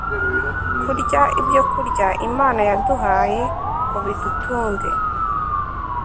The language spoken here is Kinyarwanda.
kurya ibyokurya Imana yaduhaye ngo bidutunge